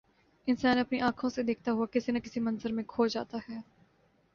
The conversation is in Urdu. انسان اپنی آنکھوں سے دیکھتا ہوا کسی نہ کسی منظر میں کھو جاتا ہے